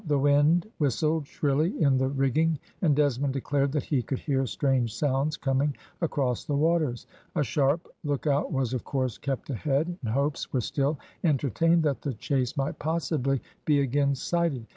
The wind whistled shrilly in the rigging, and Desmond declared that he could hear strange sounds coming across the waters. A sharp lookout was, of course, kept ahead, and hopes were still entertained that the chase might possibly be again sighted.